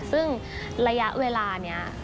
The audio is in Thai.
ซึ่งระยะเวลานี้